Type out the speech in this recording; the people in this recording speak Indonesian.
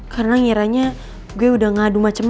karena ngiranya gue udah ngadu macem apa